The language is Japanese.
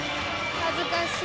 恥ずかしい。